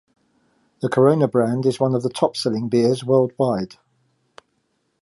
The Corona brand is one of the top-selling beers worldwide.